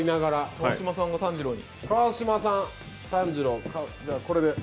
川島さん、炭治郎に。